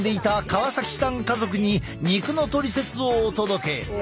家族に肉のトリセツをお届け！